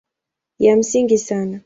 Ya msingi sana